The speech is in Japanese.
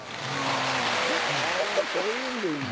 あそういうんでいいんだ。